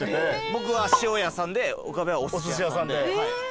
僕は塩屋さんで岡部はおすし屋さんで。